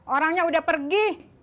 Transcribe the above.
orangnya udah pergi